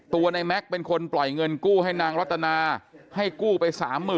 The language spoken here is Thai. ตัวในแม็กซ์เป็นคนปล่อยเงินกู้ให้นางรัตนาให้กู้ไป๓๐๐๐